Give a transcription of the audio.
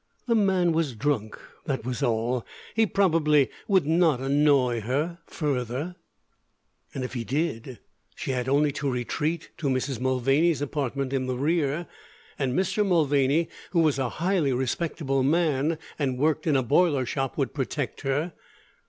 The man was drunk, that was all. He probably would not annoy her further. And if he did, she had only to retreat to Mrs. Mulvaney's apartment in the rear, and Mr. Mulvaney, who was a highly respectable man and worked in a boiler shop, would protect her.